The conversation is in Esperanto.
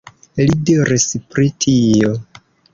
Li ridis pri tio.